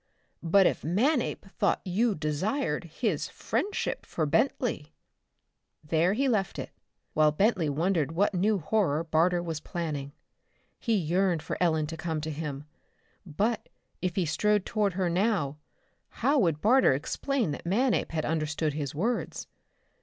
But if Manape thought you desired his friendship for Bentley...?" There he left it, while Bentley wondered what new horror Barter was planning. He yearned for Ellen to come to him. But, if he strode toward her now, how would Barter explain that Manape had understood his words?